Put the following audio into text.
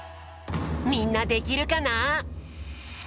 みんなできるかな？